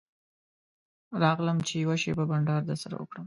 راغلم چې یوه شېبه بنډار درسره وکړم.